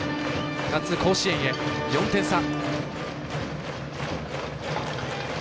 夏の甲子園へ、４点差。